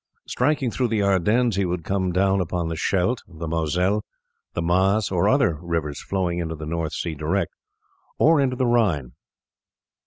Striking through the Ardennes he would come down upon the Scheldt, the Moselle, the Maas, or other rivers flowing into the North Sea direct, or into the Rhine.